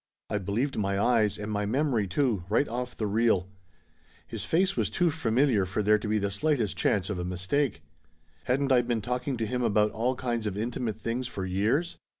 I believed my eyes, and my memory, too, right off the reel. His face was too familiar for there to be the slightest chance of a mistake. Hadn't I been talk ing to him about all kinds of intimate things for years